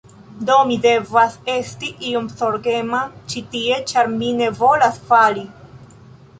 Do, mi devas esti iom zorgema ĉi tie ĉar mi ne volas fali